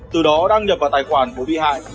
từ đó đăng nhập vào tài khoản của bị hại